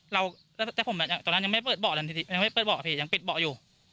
เราแต่ผมตอนนั้นยังไม่เปิดเบาะยังปิดเบาะอยู่